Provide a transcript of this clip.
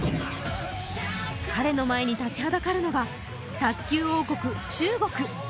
彼の前に立ちはだかるのが、卓球王国・中国。